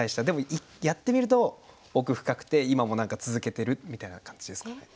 でもやってみると奥深くて今も何か続けてるみたいな感じですかね。